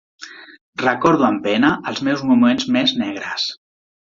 Recordo amb pena els meus moments més negres.